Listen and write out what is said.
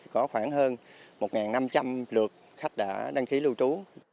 có khoảng hơn một năm trăm linh lượt khách đã đăng ký lưu trú